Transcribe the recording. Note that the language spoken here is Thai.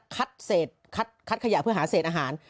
คัดขยะเพื่อหาเศษอาหาร